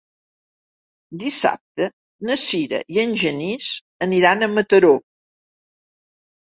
Dissabte na Sira i en Genís aniran a Mataró.